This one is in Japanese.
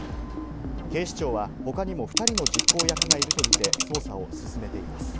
警視庁は他にも２人の実行役がいるとみて捜査を進めています。